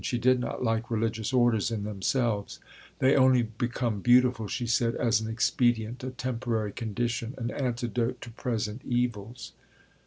She did not like religious orders in themselves; they only "become beautiful," she said, "as an expedient, a temporary condition, an antidote to present evils."